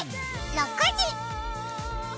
６時！